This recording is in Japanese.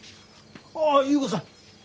ああっ優子さん。